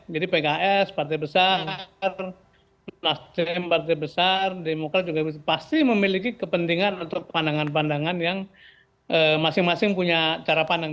jadi pks partai besar pnas partai besar demokrat juga pasti memiliki kepentingan untuk pandangan pandangan yang masing masing punya cara pandang